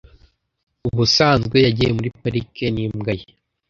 Ubusanzwe yagiye muri parike n'imbwa ye .